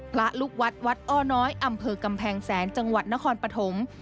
ลูกวัดวัดอ้อน้อยอำเภอกำแพงแสนจังหวัดนครปฐม